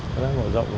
khai thác mở rộng